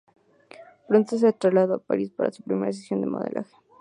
Pronto se trasladó a París para su primera sesión de modelaje.